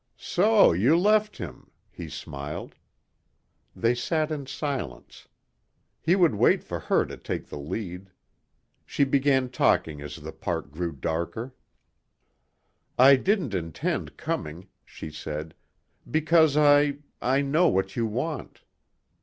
"So you left him," he smiled. They sat in silence. He would wait for her to take the lead. She began talking as the park grew darker. "I didn't intend coming," she said, "because I ... I know what you want."